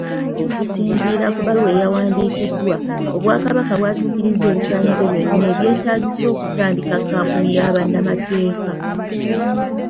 Okusinziira ku bbaluwa eyawandikiddwa, Obwakabaka bwatuukirizza ebisaanyizo byonna ebyetaagisa okutandika kampuni ya bannamateeka.